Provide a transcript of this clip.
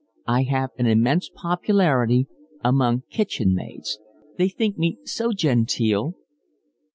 "I have an immense popularity among kitchen maids. They think me so genteel."